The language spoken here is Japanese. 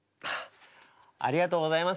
ありがとうございます。